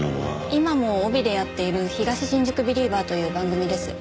今も帯でやっている『東新宿ビリーバー』という番組です。